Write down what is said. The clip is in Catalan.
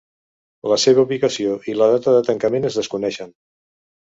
La seva ubicació i la data de tancament es desconeixen.